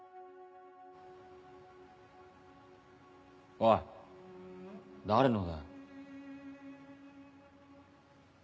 おい誰のだよ？